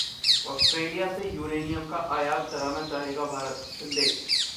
Australia से uranium का आयात कराना चाहेगा भारत: शिन्दे